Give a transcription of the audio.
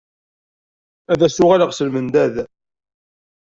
Ad as-uɣalaɣ s lmendad.